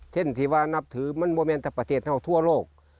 เท่าที่ว่านับถือมันมันเป็นแต่ประเทศทั้งทั่วโลก